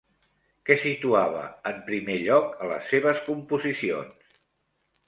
Què situava en primer lloc a les seves composicions?